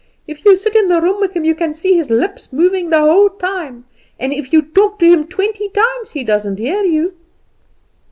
If you sit in the room with him you can see his lips moving the whole time; and if you talk to him twenty times he doesn't hear you.